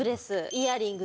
イヤリング？